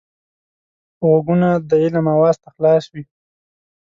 غوږونه د علم آواز ته خلاص وي